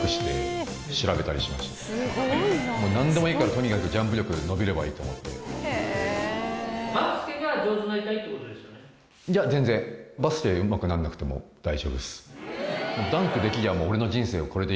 何でもいいからとにかくジャンプ力伸びればいいと思ってバスケうまくなんなくても大丈夫です